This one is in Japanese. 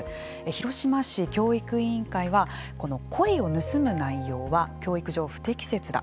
広島市教育委員会はこのコイを盗む内容は教育上不適切だ。